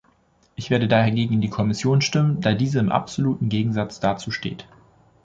Ich werde daher gegen die Kommission stimmen, da diese im absoluten Gegensatz dazu steht.